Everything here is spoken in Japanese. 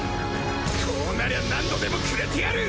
こうなりゃ何度でもくれてやる！